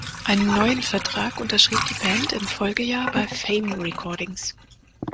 Einen neuen Vertrag unterschrieb die Band im Folgejahr bei Fame Recordings.